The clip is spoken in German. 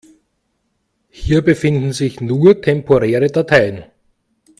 Hier befinden sich nur temporäre Dateien.